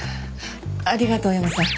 ありがとう山さん。